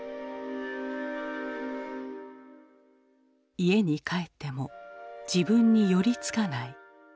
家に帰っても自分に寄り付かない。